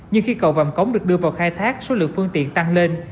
nhưng khi cầu vàm cống được đưa vào khai thác số lượng phương tiện tăng lên